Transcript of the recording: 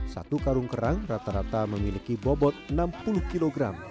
satu karung kerang rata rata memiliki bobot enam puluh kg